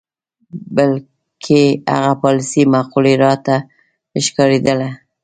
بلکې هغه پالیسۍ معقولې راته ښکارېدلې.